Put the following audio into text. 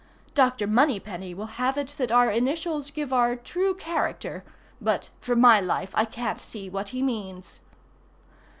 Dr. Moneypenny will have it that our initials give our true character—but for my life I can't see what he means.